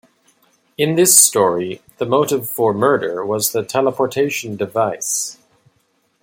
In this story, the motive for murder was the teleportation device.